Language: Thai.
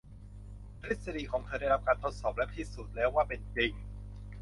ทฤษฎีของเธอได้รับการทดสอบ และพิสูจน์แล้วว่าเป็นจริง